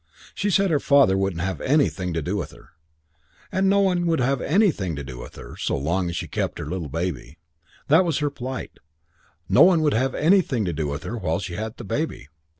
She said her father wouldn't have anything to do with her, and no one would have anything to do with her so long as she kept her little baby. That was her plight: no one would have anything to do with her while she had the baby.